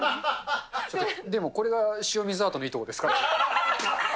でもこれが塩水アートのいいところですか？